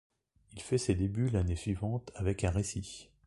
Il fait ses débuts l'année suivante avec un récit.